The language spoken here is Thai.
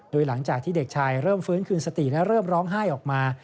โดยหลังจากที่เด็กชายเริ่มฟื้นคืนสติและเริ่มร้องไห้ออกมา